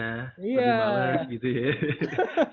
lebih malas gitu ya